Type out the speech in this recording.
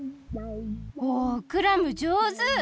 おクラムじょうず！